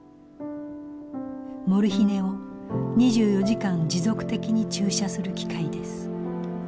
モルヒネを２４時間持続的に注射する機械です。